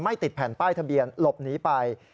ติดแผ่นป้ายทะเบียนหลบหนีไป